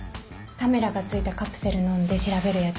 カメラが付いたカプセルのんで調べるやつ。